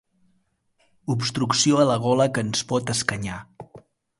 Obstrucció a la gola que ens pot escanyar.